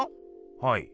はい。